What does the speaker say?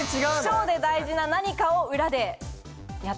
ショーで大事な何かを裏でやってます。